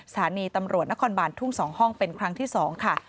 สถานีตำรวจนครบานทุ่ง๒ห้องเป็นครั้งที่๒ค่ะ